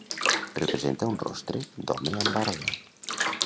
Representa un rostre d'home amb barba.